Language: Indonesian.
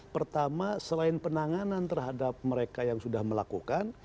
pertama selain penanganan terhadap mereka yang sudah melakukan